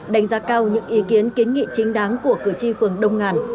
đánh giá cao những ý kiến kiến nghị chính đáng của cử tri phường đông ngàn